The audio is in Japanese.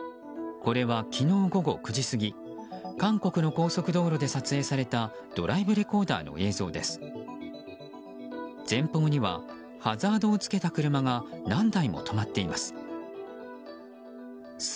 これは、昨日午後９時過ぎ韓国の高速道路で撮影されたドライブレコーダーの映像です。